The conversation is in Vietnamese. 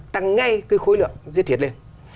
tăng ngay cái khối lượng giết thịt lên